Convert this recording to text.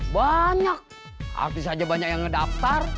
banyak artis saja banyak yang ngedaftar